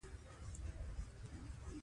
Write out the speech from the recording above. باد د اسمان نښې بدلوي